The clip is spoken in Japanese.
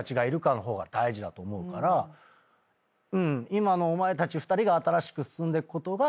今のお前たち２人が新しく進んでくことが。